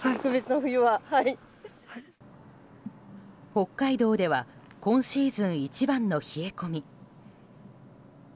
北海道では今シーズン一番の冷え込み。